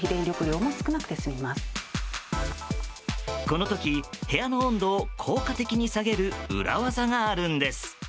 この時、部屋の温度を効果的に下げる裏技があるんです。